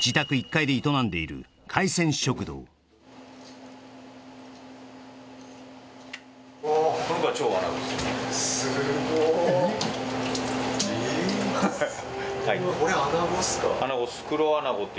１階で営んでいる海鮮食堂すごっえっ？